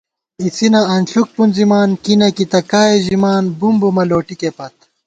اِڅِنہ انݪُک پُونزِمان، کی نہ کی تہ کائےژِمان بُم بُمہ لوٹِکےپت